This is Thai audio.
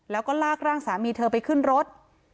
แล้วก็ลากร่างสามีเธอไปขึ้นรถ